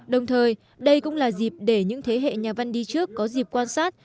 đồng thời đây cũng là dịp để những thế hệ nhà văn đi trước có dịp quan sát